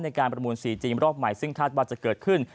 การประมูลสีจีนรอบใหม่ซึ่งคาดว่าจะเกิดขึ้น